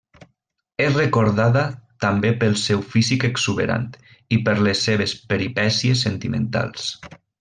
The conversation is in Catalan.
És recordada també pel seu físic exuberant, i per les seves peripècies sentimentals.